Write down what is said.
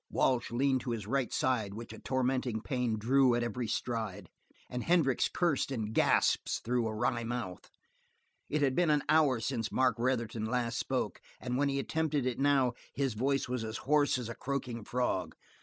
Walsh leaned to his right side which a tormenting pain drew at every stride, and Hendricks cursed in gasps through a wry mouth. It had been an hour since Mark Retherton last spoke, and when he attempted it now his voice was as hoarse as a croaking frog.